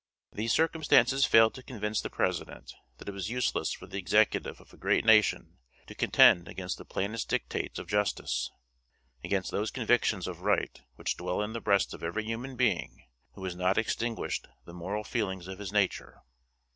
These circumstances failed to convince the President that it was useless for the Executive of a great nation to contend against the plainest dictates of justice; against those convictions of right which dwell in the breast of every human being who has not extinguished the moral feelings of his nature.